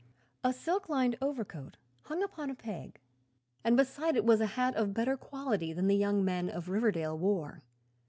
A silk lined overcoat hung upon a peg and beside it was a hat of better quality than the young men of Riverdale wore.